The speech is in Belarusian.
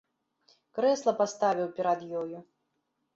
Крэсла паставіў перад ёю.